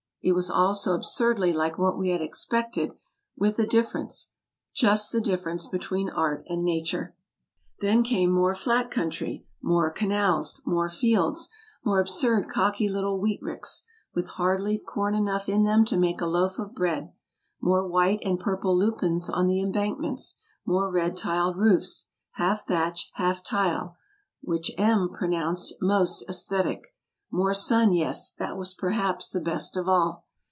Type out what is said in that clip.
It was all so absurdly like what we had expected, with a difference ■— just the difference between art and nature. Then came more flat country, more canals, more fields, more absurd cocky little wheat ricks, with hardly corn enough in them to make a loaf of bread, more white and purple lupins on the embankments, more red tiled roofs, half thatch, half tile, which M pronounced " most aesthetic, " more sun, yes, that was perhaps the best of all.